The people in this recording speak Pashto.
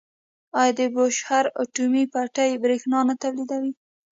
آیا د بوشهر اټومي بټۍ بریښنا نه تولیدوي؟